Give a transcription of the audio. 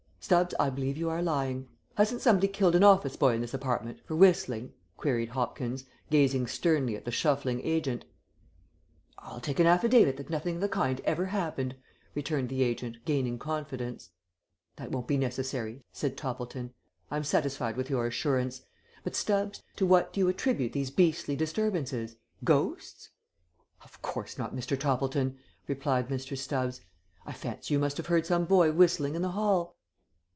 "Stubbs, I believe you are lying. Hasn't somebody killed an office boy in this apartment, for whistling?" queried Hopkins, gazing sternly at the shuffling agent. "I'll take an affidavit that nothing of the kind ever happened," returned the agent, gaining confidence. "That won't be necessary," said Toppleton. "I am satisfied with your assurance. But, Stubbs, to what do you attribute these beastly disturbances? Ghosts?" "Of course not, Mr. Toppleton," replied Mr. Stubbs. "I fancy you must have heard some boy whistling in the hall."